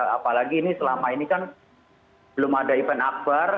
apalagi ini selama ini kan belum ada event akbar